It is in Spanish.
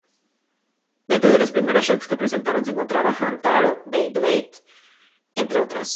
Dentro de las primeros shows que presentaron se encontraba Hamtaro, Beyblade, entre otras.